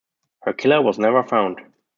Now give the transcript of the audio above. Her killer was never found.